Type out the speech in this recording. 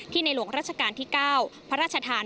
ในหลวงราชการที่๙พระราชทาน